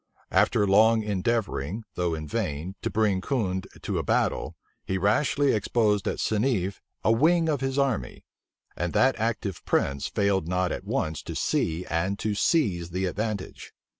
After long endeavoring, though in vain, to bring Condé to a battle, he rashly exposed at Seneffe a wing of his army; and that active prince failed not at once to see and to seize the advantage.